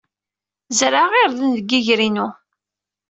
Zerɛeɣ irden deg yiger-inu.